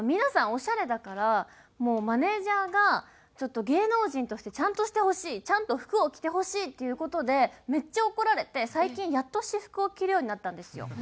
オシャレだからもうマネジャーがちょっと芸能人としてちゃんとしてほしいちゃんと服を着てほしいっていう事でめっちゃ怒られて最近やっと私服を着るようになったんですよ。